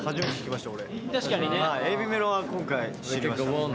ＡＢメロは今回知りました。